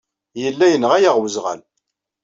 Yella yenɣa-aɣ weẓɣal.